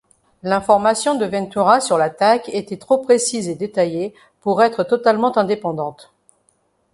L'information de Ventura sur l'attaque étaient trop précise et détaillée pour être totalement indépendante.